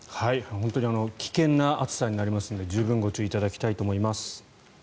本当に危険な暑さになりますので十分にご注意いただきたいと思います。